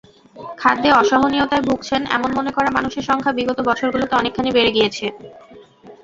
খাদ্যে অসহনীয়তায় ভুগছেন এমন মনে করা মানুষের সংখ্যা বিগত বছরগুলোতে অনেকখানি বেড়ে গিয়েছে।